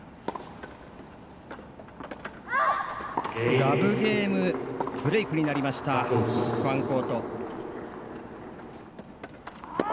ラブゲームブレークになりましたファンコート。